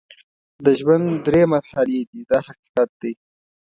د ژوند درې مرحلې دي دا حقیقت دی.